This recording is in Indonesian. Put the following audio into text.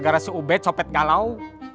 gara gara si ubed nyopet galau